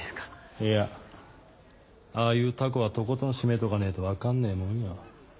いやああいうタコはとことんシメとかねえと分かんねえもんよ。